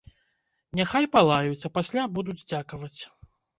Няхай палаюць, а пасля будуць дзякаваць.